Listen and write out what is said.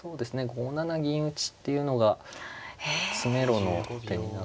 ５七銀打っていうのが詰めろの手になって一つ。